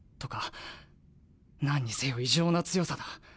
何にせよ異常な強さだ。